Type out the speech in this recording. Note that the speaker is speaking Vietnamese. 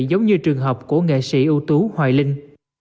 giống như trường hợp của nghệ sĩ ưu tú hoài linh